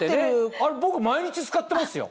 あれ僕毎日使ってますよ。